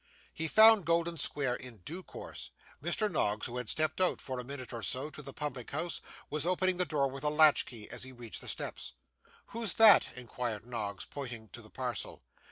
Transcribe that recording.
He found Golden Square in due course; Mr. Noggs, who had stepped out for a minute or so to the public house, was opening the door with a latch key, as he reached the steps. 'What's that?' inquired Noggs, pointing to the parcel.